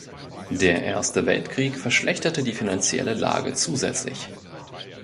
Der Erste Weltkrieg verschlechterte die finanzielle Lage zusätzlich.